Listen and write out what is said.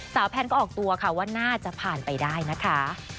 แพนก็ออกตัวค่ะว่าน่าจะผ่านไปได้นะคะ